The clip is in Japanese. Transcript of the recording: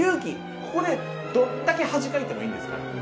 ここでどんだけ恥かいてもいいんですから。